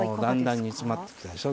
だんだん煮詰まってきたでしょ。